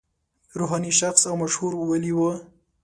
روحاني شخص او مشهور ولي و.